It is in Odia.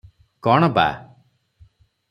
କଣ ବା